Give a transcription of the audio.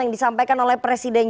di pemilih presiden